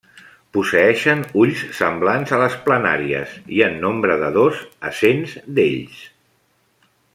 Posseeixen ulls semblants a les planàries i en nombre de dos a cents d'ells.